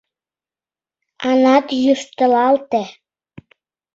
Аннат йӱштылалте.